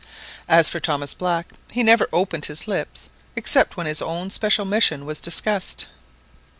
As for Thomas Black, he never opened his lips except when his own special mission was discussed.